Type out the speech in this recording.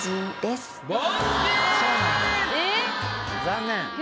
残念。